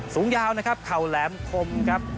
สูงยาวนะครับเข่าแหลมคมครับ